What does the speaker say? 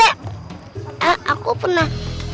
eh aku pernah